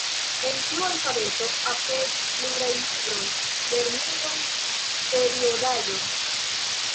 En tiu alfabeto aperis pluraj libroj, lerniloj, periodaĵoj.